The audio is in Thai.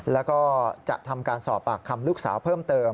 แล้วก็จะทำการสอบปากคำลูกสาวเพิ่มเติม